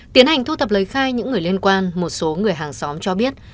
tiến hành thu thập lời khai những người liên quan một số người hàng xóm cho biết